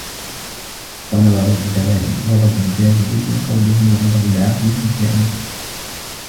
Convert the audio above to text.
وَقَالَ بَعْضُ الْأُدَبَاءِ غَضَبُ الْجَاهِلِ فِي قَوْلِهِ ، وَغَضَبُ الْعَاقِلِ فِي فِعْلِهِ